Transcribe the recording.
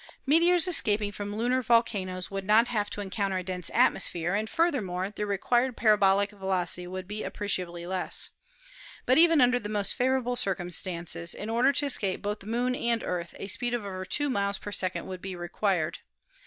Meteors escaping from lunar volcanoes would not have COMETS, METEORS AND METEORITES 255 to encounter a dense atmosphere, and, furthermore, their required parabolic velocity would be appreciably less. But even under the most favorable circumstances, in order to escape both the Moon and Earth a speed of over two miles per second would be required.